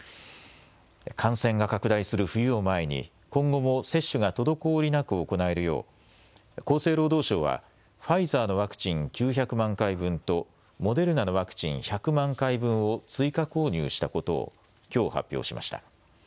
感染が拡大する冬を前に今後も接種が滞りなく行えるよう厚生労働省はファイザーのワクチン９００万回分とモデルナのワクチン１００万回分を追加購入したことをきょう発表しました。